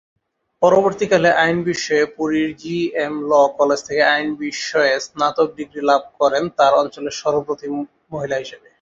পরবর্তীকালে আইন বিষয়ে পুরী’র জিএম ল কলেজ থেকে আইন বিষয়ে স্নাতক ডিগ্রী লাভ করেন তার অঞ্চলের সর্বপ্রথম মহিলা হিসেবে।